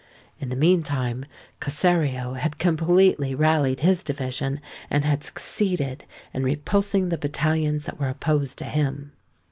In the meantime Cossario had completely rallied his division and had succeeded in repulsing the battalions that were opposed to him.